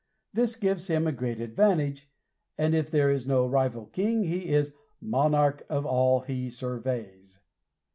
This gives him a great advantage, and if there is no rival king he is "Monarch of all he surveys."